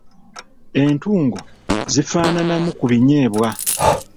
Entungo zifaananamu ku binyeebwa.